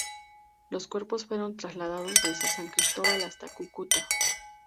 Los cuerpos fueron trasladados desde San Cristóbal hasta Cúcuta.